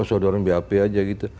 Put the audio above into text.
pokoknya seorang bap saja gitu